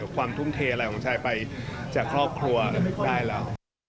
ความทุ่มเทอะไรของชายไปจากครอบครัวนึกได้แล้ว